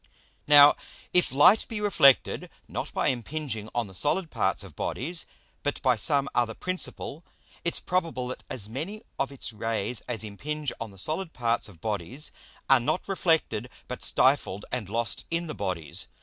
Now if Light be reflected, not by impinging on the solid parts of Bodies, but by some other principle; it's probable that as many of its Rays as impinge on the solid parts of Bodies are not reflected but stifled and lost in the Bodies.